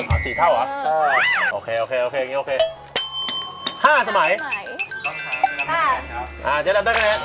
อ่า๔เท่าหรอ